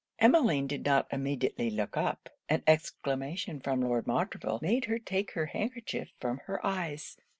Emmeline did not immediately look up an exclamation from Lord Montreville made her take her handkerchief from her eyes.